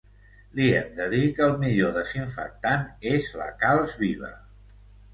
Li hem de dir que el millor desinfectant és la calç viva.